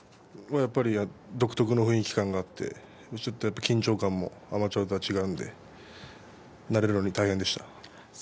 独特の雰囲気があってちょっと緊張感もアマチュアとは違うので慣れるのに大変でした。